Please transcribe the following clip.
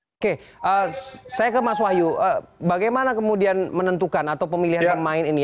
oke saya ke mas wahyu bagaimana kemudian menentukan atau pemilihan pemain ini